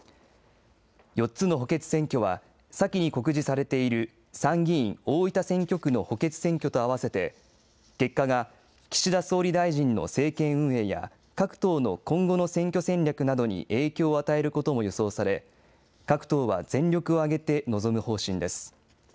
４つの補欠選挙は、先に告示されている参議院大分選挙区の補欠選挙とあわせて、結果が岸田総理大臣の政権運営や各党の今後の選挙戦略などに影響を与えることも予想され、各党は全力を挙げて臨む方針です。